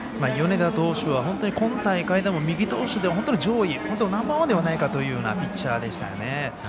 米田投手は本当に今大会でも右投手で本当に上位ナンバーワンではないかというピッチャーでしたよね。